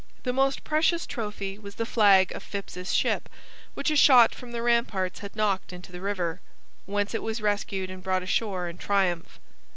The most precious trophy was the flag of Phips's ship, which a shot from the ramparts had knocked into the river, whence it was rescued and brought ashore in triumph.